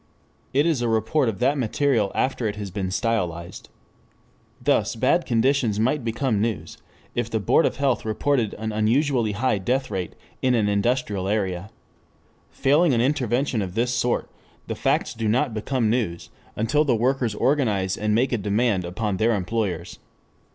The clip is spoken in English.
It is a report of that material after it has been stylized. Thus bad conditions might become news if the Board of Health reported an unusually high death rate in an industrial area. Failing an intervention of this sort, the facts do not become news, until the workers organize and make a demand upon their employers.